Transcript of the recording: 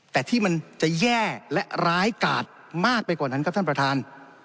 แต่ที่มันจะแย่และร้ายกาดมากไปกว่านั้นครับท่านประธาน